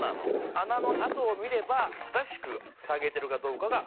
あなのあとを見れば正しくふさげてるかどうかが分かるんだな。